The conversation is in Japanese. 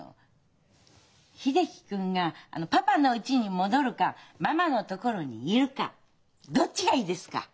秀樹君がパパのうちに戻るかママのところにいるかどっちがいいですか？